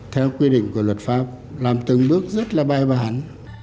theo quy định của luật pháp làm từng bước rất là bài bản